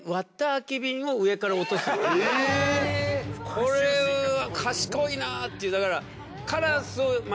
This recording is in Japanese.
これは賢いなっていうだから。